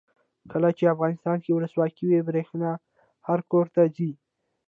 کله چې افغانستان کې ولسواکي وي برښنا هر کور ته ځي.